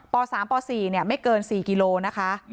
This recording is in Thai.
ป๓ป๔ไม่เกิน๔กิโลนะคะ